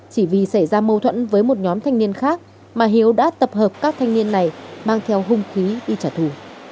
chỉ vì xảy ra mâu thuẫn với một nhóm thanh niên khác mà hiếu đã tập hợp các thanh niên này mang theo hung khí đi trả thù